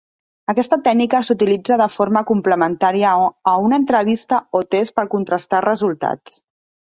Aquesta tècnica s’utilitza de forma complementària a una entrevista o test per contrastar resultats.